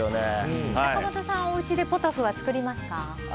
坂本さん、おうちでポトフは作りますか？